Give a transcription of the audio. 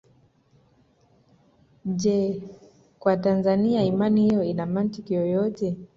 Je Kwa Tanzania imani hiyo ina mantiki yoyote